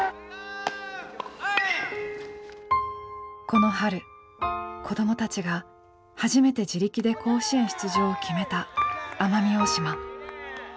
この春子どもたちが初めて自力で甲子園出場を決めた奄美大島。